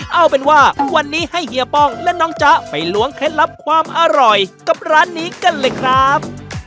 เอาเป็นว่าวันนี้ให้เฮียป้องและน้องจ๊ะไปล้วงเคล็ดลับความอร่อยกับร้านนี้กันเลยครับ